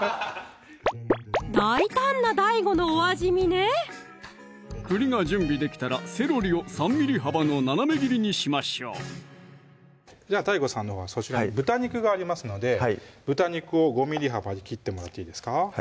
大胆なＤＡＩＧＯのお味見ね栗が準備できたらセロリを３ｍｍ幅の斜め切りにしましょうじゃあＤＡＩＧＯさんのほうはそちらに豚肉がありますので豚肉を５ｍｍ幅に切ってもらっていいですか？